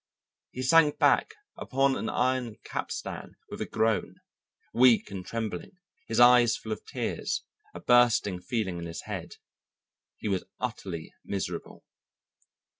He sank back upon an iron capstan with a groan, weak and trembling, his eyes full of tears, a bursting feeling in his head. He was utterly miserable.